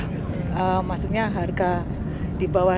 maksudnya kalau pas awal awal sih sebenarnya ya jangan segitu dulu lah